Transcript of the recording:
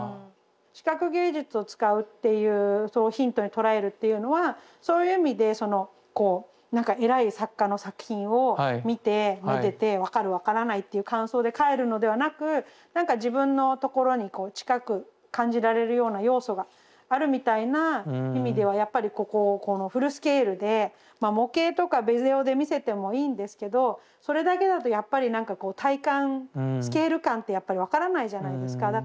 視覚芸術を使うっていうそうヒントに捉えるっていうのはそういう意味でこう何か偉い作家の作品を見てめでて分かる分からないっていう感想で帰るのではなく何か自分のところにこう近く感じられるような要素があるみたいな意味ではやっぱりここをこのフルスケールでまあ模型とかビデオで見せてもいいんですけどそれだけだとやっぱり何か体感スケール感ってやっぱり分からないじゃないですか。